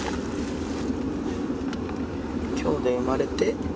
今日で生まれて？